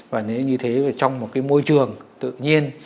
và nếu như thế trong một cái môi trường tự nhiên